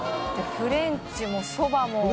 フレンチもそばも。